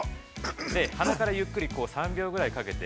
鼻からゆっくり３秒ぐらいかけて